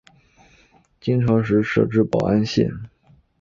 金朝时设置保安县。